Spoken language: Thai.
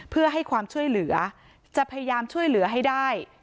เพื่อให้ความช่วยเหลือจะพยายามช่วยเหลือให้ได้